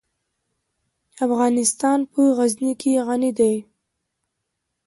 افغانستان په غزني غني دی.